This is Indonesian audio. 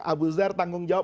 abu zahr tanggung jawab